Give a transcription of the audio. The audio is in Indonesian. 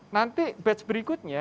nanti batch berikutnya